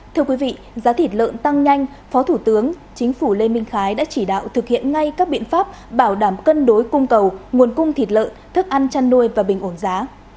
thưa quý vị giá thịt lợn tăng nhanh phó thủ tướng chính phủ lê minh khái đã chỉ đạo thực hiện ngay các biện pháp bảo đảm cân đối cung cầu nguồn cung thịt lợn thức ăn chăn nuôi và bình ổn giá